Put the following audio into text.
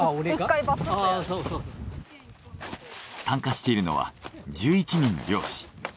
参加しているのは１１人の漁師。